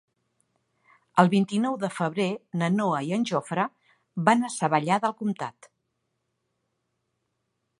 El vint-i-nou de febrer na Noa i en Jofre van a Savallà del Comtat.